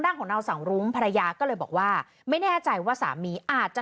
ของนางเสารุ้งภรรยาก็เลยบอกว่าไม่แน่ใจว่าสามีอาจจะ